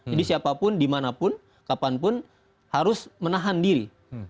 jadi siapapun dimanapun kapanpun harus menahan diri